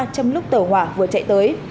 trong lúc tàu hỏa vừa chạy tới